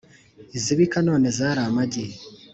Izibika none zari amagi